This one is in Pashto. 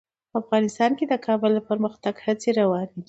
په افغانستان کې د کابل د پرمختګ هڅې روانې دي.